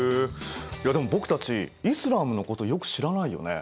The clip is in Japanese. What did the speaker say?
いやでも僕たちイスラームのことよく知らないよね。